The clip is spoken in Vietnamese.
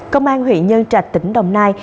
công an huyện nhân trạch tỉnh đồng nai